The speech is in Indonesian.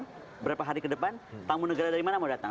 beberapa hari ke depan tamu negara dari mana mau datang